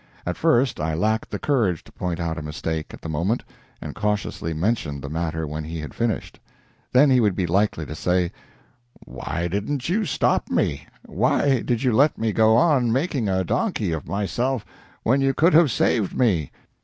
At first I lacked the courage to point out a mistake at the moment, and cautiously mentioned the matter when he had finished. Then he would be likely to say: "Why didn't you stop me? Why did you let me go on making a donkey of myself when you could have saved me?"